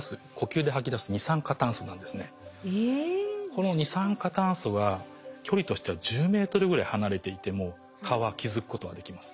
この二酸化炭素は距離としては１０ｍぐらい離れていても蚊は気付くことができます。